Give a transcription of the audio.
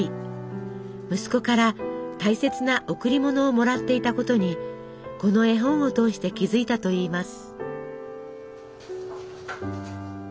息子から大切な贈り物をもらっていたことにこの絵本を通して気付いたといいます。